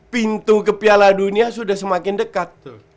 pintu ke piala dunia sudah semakin dekat